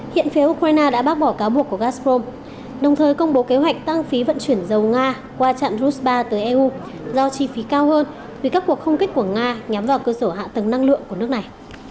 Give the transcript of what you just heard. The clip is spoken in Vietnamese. hiện phía ukraine đã bác bỏ cáo buộc của gastrom đồng thời công bố kế hoạch tăng phí vận chuyển dầu nga qua trạm rusba tới eu do chi phí cao hơn vì các cuộc không kích của nga nhắm vào cơ sở hạ tầng năng lượng của nước này